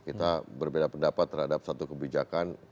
kita berbeda pendapat terhadap satu kebijakan